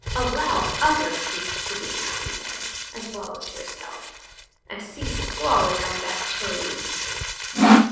"Allow other people to be happy, then, as well as yourself, and cease squalling out of that tree.